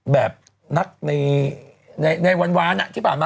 แบบนักในวานที่ผ่านมา